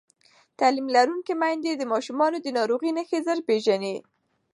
تعلیم لرونکې میندې د ماشومانو د ناروغۍ نښې ژر پېژني.